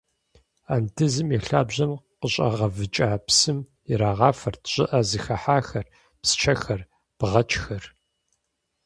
Андызым и лъабжьэм къыщӏагъэвыкӏа псым ирагъафэрт щӏыӏэ зыхыхьахэр, псчэхэр, бгъэчхэр.